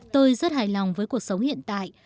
tôi rất hài lòng với cuộc sống hiện tại